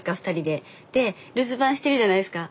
で留守番してるじゃないですか。